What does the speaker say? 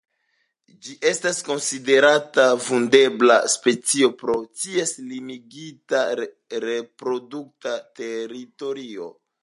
Ĝi estas konsiderata vundebla specio pro ties limigita reprodukta teritorio.